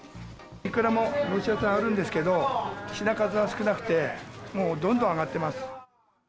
イクラもロシア産あるんですけど、品数は少なくて、もう、どんどん上がってます。